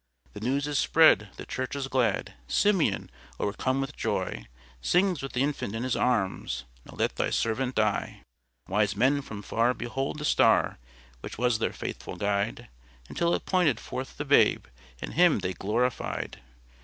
The news is spread, the church is glad, SIMEON, o'ercome with joy, Sings with the infant in his arms, NOW LET THY SERVANT DIE. Wise men from far beheld the star, Which was their faithful guide, Until it pointed forth the Babe, And Him they glorified.